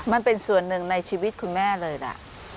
มันเป็นส่วนหนึ่งในชีวิตคุณแม่เลยนะ